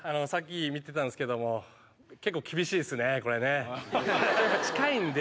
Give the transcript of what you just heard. さっき見てたんですけども結構厳しいですね